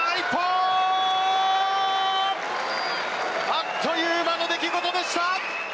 あっという間の出来事でした！